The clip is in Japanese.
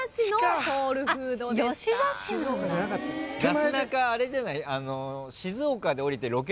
なすなかはあれじゃない？